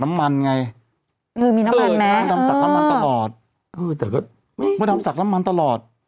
ปั้บว่าดำสักน้ำมันตลอด